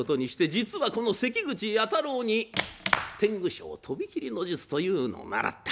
実はこの関口弥太郎に天狗昇飛び斬りの術というのを習った。